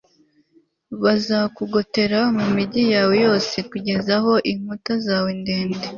bazakugotera mu migi yawe yose kugeza aho inkuta zawe ndende